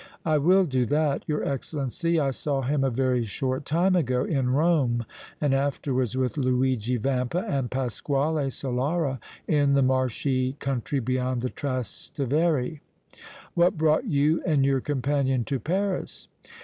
"I will do that, your Excellency. I saw him a very short time ago in Rome and afterwards with Luigi Vampa and Pasquale Solara in the marshy country beyond the Trastavere." "What brought you and your companion to Paris?"